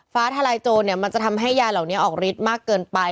ทลายโจรมันจะทำให้ยาเหล่านี้ออกฤทธิ์มากเกินไป